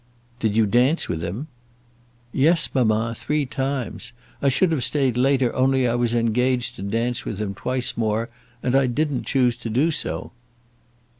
"Did you dance with him?" "Yes, mamma, three times. I should have stayed later only I was engaged to dance with him twice more; and I didn't choose to do so."